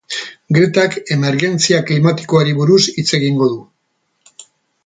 Gretak emergentzia klimatikoari buruz hitz egingo du.